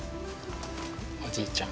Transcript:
おじいちゃん。